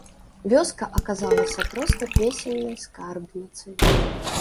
Вёска аказалася проста песеннай скарбніцай.